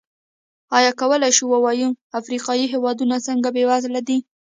ایا کولای شو ووایو افریقايي هېوادونه ځکه بېوزله دي.